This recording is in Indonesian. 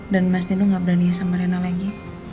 dan mas rina gak berani sama rena lagi